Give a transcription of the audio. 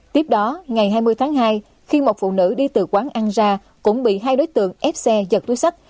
tiếp đó ngày hai mươi tháng hai khi một phụ nữ đi từ quán ăn ra cũng bị hai đối tượng ép xe giật túi sách